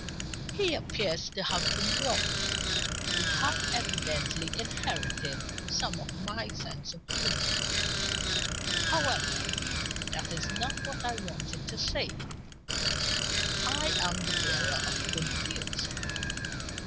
He appears to have been wrong; you have evidently inherited some of my sense of humor. However, that is not what I wanted to say; I am the bearer of good news.